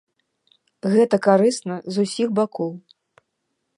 Гэта карысна з усіх бакоў.